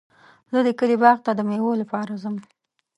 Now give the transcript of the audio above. زه د کلي باغ ته د مېوو لپاره ځم.